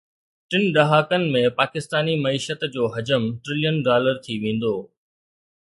ٽن ڏهاڪن ۾ پاڪستاني معيشت جو حجم ٽريلين ڊالر ٿي ويندو